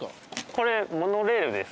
これモノレールです。